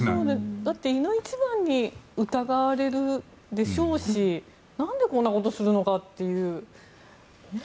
だっていの一番に疑われるでしょうしなんでこんなことするのかという。